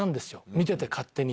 見てて勝手に。